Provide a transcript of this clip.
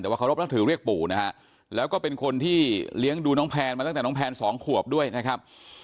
แต่ว่าเคารพนับถือเรียกปู่นะฮะแล้วก็เป็นคนที่เลี้ยงดูน้องแพนมาตั้งแต่น้องแพนสองขวบด้วยนะครับ